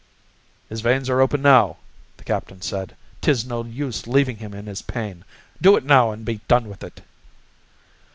"His veins are open now," the captain said. "'Tis no use leavin' him in his pain. Do it now an' be done with it."